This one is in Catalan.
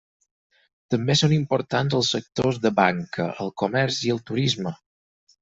També són importants els sectors de banca, el comerç i el turisme.